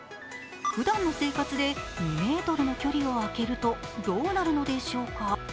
ふだんの生活で２ｍの距離をあけるとどうなるのでしょうか？